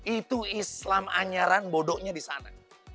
itu islam anyaran bodohnya di sana